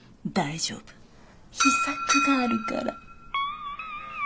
大丈夫秘策があるから。